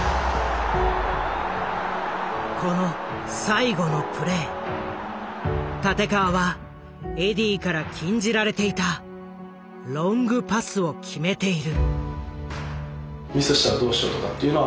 この最後のプレー立川はエディーから禁じられていたロングパスを決めている。